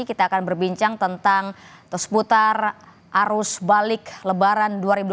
kita akan berbincang tentang seputar arus balik lebaran dua ribu delapan belas